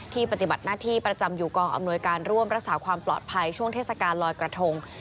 ปฏิบัติหน้าที่ประจำอยู่กองอำนวยการร่วมรักษาความปลอดภัยช่วงเทศกาลลอยกระทง